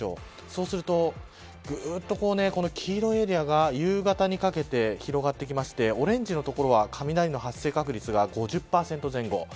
そうするとぐっと黄色いエリアが夕方にかけて広がってきてオレンジの所は雷の発生確率が５０％前後。